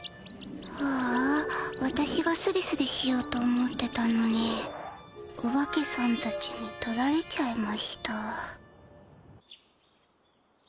ああわたしがスリスリしようと思ってたのにおばけさんたちに取られちゃいました。